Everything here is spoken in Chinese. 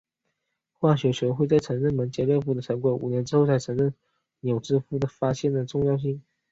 化学学会在承认了门捷列夫的成果五年之后才承认纽兰兹的发现的重要性。